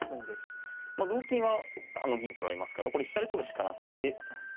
同金はあの銀取られますからこれ飛車で取るしかなくて。